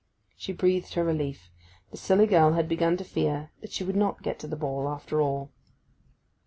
She breathed her relief: the silly girl had begun to fear that she would not get to the ball after all.